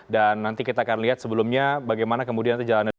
dan nanti kita akan lihat sebelumnya bagaimana kemudian nanti jalanan